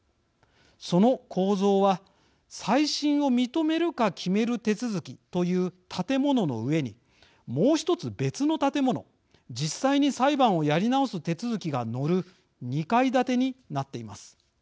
その構造は、再審を認めるか決める手続きという建物の上にもう１つ、別の建物実際に裁判をやり直す手続きが乗る２階建てになっています。